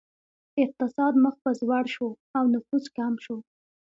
اقتصاد مخ په ځوړ شو او نفوس کم شو.